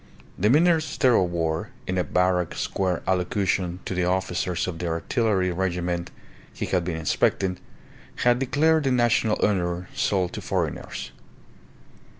The Minister of War, in a barrack square allocution to the officers of the artillery regiment he had been inspecting, had declared the national honour sold to foreigners.